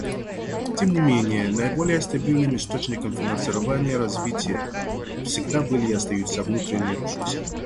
Тем не менее наиболее стабильным источником финансирования развития всегда были и остаются внутренние ресурсы.